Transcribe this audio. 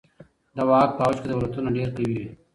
د واک په اوج کي دولتونه ډیر قوي وي.